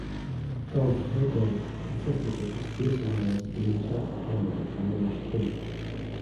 Don Quixote insisted that this basin was the enchanted helmet of the Moorish king.